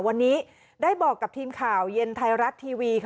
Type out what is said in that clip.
วันนี้ได้บอกกับทีมข่าวเย็นไทยรัฐทีวี